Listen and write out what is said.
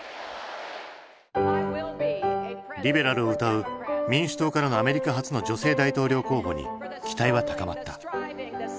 リベラルをうたう民主党からのアメリカ初の女性大統領候補に期待は高まった。